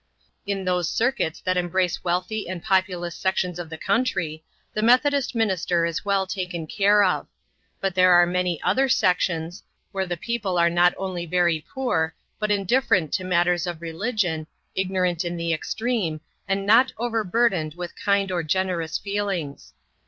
In those circuits that embrace wealthy and populous sections of the country, the Methodist minister is well taken care of; but there are many other sections, where the people are not only very poor, but indifferent to matters of religion, ignorant in the extreme, and not over burdened with kind or generous feelings.